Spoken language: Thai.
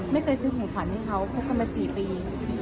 ไม่เคยซื้อของฝันมีเขาพบกันมาสี่ปี